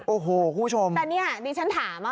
โอ้โหคุณผู้ชมแต่เนี่ยดิฉันถามอ่ะ